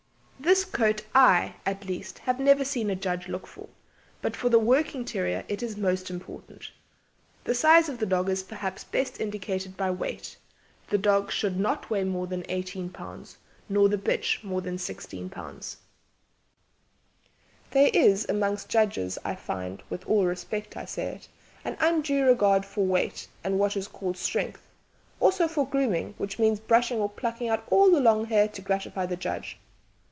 This under coat I, at least, have never seen a judge look for, but for the working terrier it is most important. The size of the dog is perhaps best indicated by weight. The dog should not weigh more than 18 lb., nor the bitch more than 16 lb. "There is among judges, I find with all respect I say it an undue regard for weight and what is called strength, also for grooming, which means brushing or plucking out all the long hair to gratify the judge.